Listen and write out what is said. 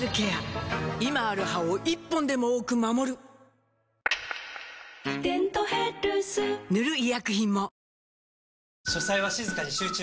今ある歯を１本でも多く守る「デントヘルス」塗る医薬品も